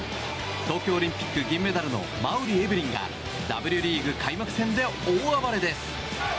東京オリンピック銀メダルの馬瓜エブリンがＷリーグ開幕戦で大暴れです。